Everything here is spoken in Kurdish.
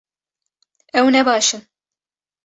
Ew ne baş in